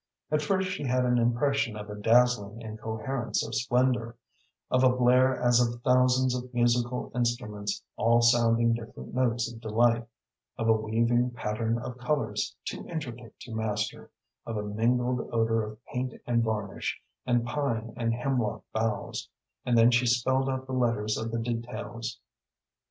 At first she had an impression of a dazzling incoherence of splendor, of a blare as of thousands of musical instruments all sounding different notes of delight, of a weaving pattern of colors, too intricate to master, of a mingled odor of paint and varnish, and pine and hemlock boughs, and then she spelled out the letters of the details.